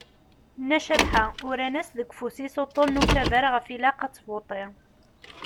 Nna Cabḥa uran-as deg ufus-is uṭṭun n ukabar ɣef ialq ad tbuṭṭi.